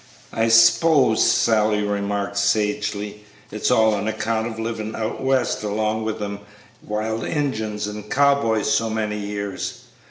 "I s'pose," Sally remarked, sagely, "it's all on account of livin' out west along with them wild Injuns and cow boys so many years.